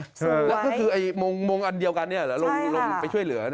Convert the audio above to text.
สวยแล้วก็คือมงค์อันเดียวกันนี่ลงไปช่วยเหลือ